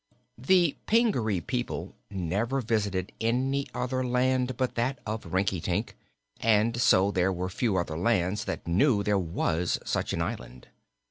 The Pingaree people never visited any other land but that of Rinkitink, and so there were few other lands that knew there was such an island.